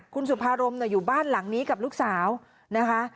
คุณสุภารมอยู่บ้านหลังนี้กับลูกสาวนะคะ